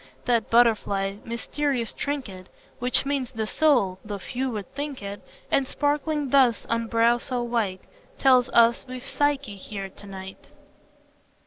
That butterfly, mysterious trinket, Which means the soul, (though few would think it,) And sparkling thus on brow so white Tells us we've Psyche here to night."